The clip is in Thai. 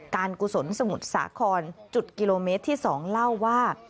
กุศลสมุทรสาครจุดกิโลเมตรที่๒เล่าว่า